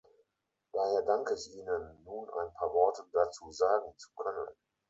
Daher danke ich Ihnen, nun ein paar Worte dazu sagen zu können.